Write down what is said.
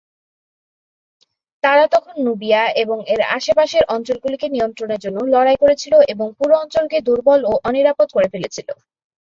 তারা তখন নুবিয়া এবং এর আশেপাশের অঞ্চলগুলিকে নিয়ন্ত্রণের জন্য লড়াই করেছিল এবং পুরো অঞ্চলকে দুর্বল ও অনিরাপদ করে ফেলেছিল।